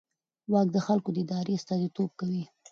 واک د خلکو د ارادې استازیتوب کوي.